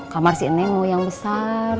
kamar si nenek mau yang besar